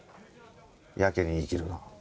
やけに言いきるな。